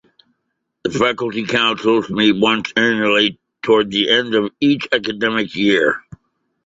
The Faculty Councils meet once annually, towards the end of each academic year.